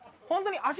本当に。